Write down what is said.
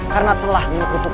karena telah dikutukan